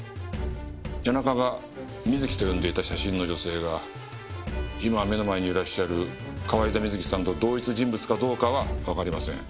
谷中がミズキと呼んでいた写真の女性が今目の前にいらっしゃる河井田瑞希さんと同一人物かどうかはわかりません。